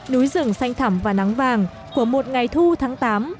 núi rừng xanh thẳm và nắng vàng của một ngày thu tháng tám